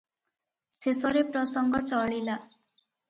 ଶେଷରେ ପ୍ରସଙ୍ଗ ଚଳିଲା ।